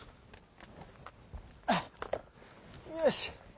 よし！